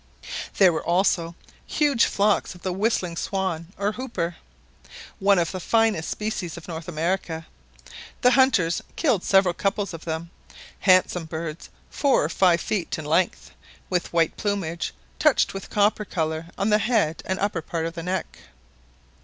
There were also large flocks of the whistling swan or hooper, one of the finest species of North America. The hunters killed several couples of them, handsome birds, four or five feet in entire length, with white plumage, touched with copper colour on the head and upper part of neck.